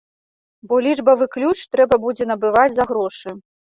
Бо лічбавы ключ трэба будзе набываць за грошы.